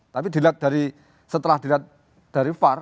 tapi setelah dilihat dari far